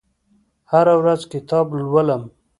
هره ورځ کتاب لولم